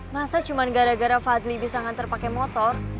masa cuma gara gara fadli bisa ngantar pakai motor